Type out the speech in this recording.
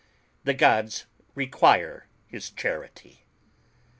The gods require his charity!"